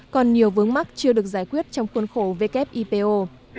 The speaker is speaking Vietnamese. còn nhiều vướng mắt chưa được giải quyết trong khuôn khổ wipo